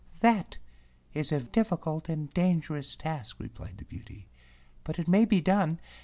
"That is a difficult and dangerous task," replied the beauty, "but it may be done.